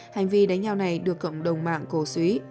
hành vi đánh nhau này được cộng đồng mạng cổ suý